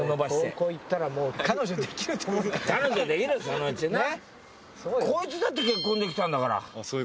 そのうちな。